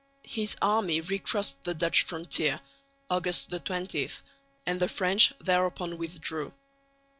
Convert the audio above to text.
His army recrossed the Dutch frontier (August 20), and the French thereupon withdrew.